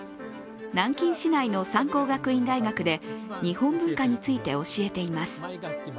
南京市内の三江学院大学で日本文化について教えています。